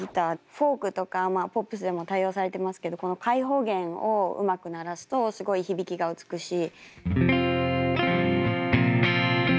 フォークとかポップスでも多用されてますけどこの開放弦をうまく鳴らすとすごい響きが美しい。